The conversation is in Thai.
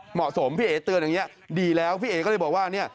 เหมาะสมพี่เอ๋เตือนอย่างนี้ดีแล้วพี่เอ๋ก็เลยบอกว่าเนี่ย